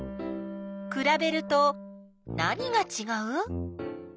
くらべると何がちがう？